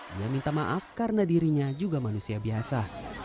dia minta maaf karena dirinya juga manusia biasa